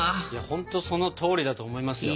ほんとそのとおりだと思いますよ。